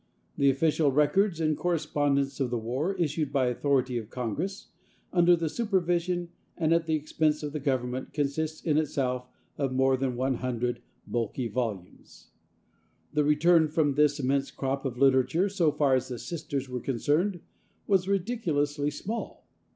The official records and correspondence of the war, issued by authority of Congress, under the supervision and at the expense of the government, consists, in itself, of more than one hundred bulky volumes. The return from this immense crop of literature, so far as the Sisters were concerned, was ridiculously small.